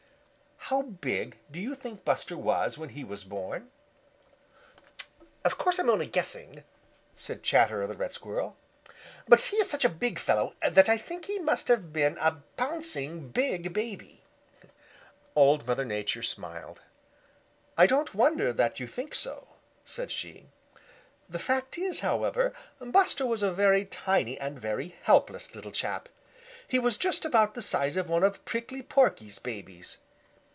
How big do you think Buster was when he was born?" "Of course I'm only guessing," said Chatterer the Red Squirrel, "but he is such a big fellow that I think he must have been a bouncing big baby." Old Mother Nature smiled. "I don't wonder you think so," said she. "The fact is, however, Buster was a very tiny and very helpless little chap. He was just about the size of one of Prickly Porky's babies.